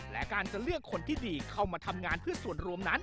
และการจะเลือกคนที่ดีเข้ามาทำงานเพื่อส่วนรวมนั้น